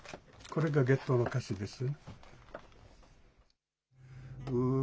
これが月桃の歌詞です。